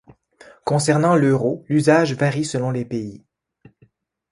Concernant l'euro, l'usage varie selon les pays.